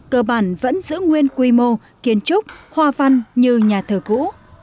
cơ bản vẫn giữ nguyên quy mô kiến trúc hoa văn như nhà thờ cũ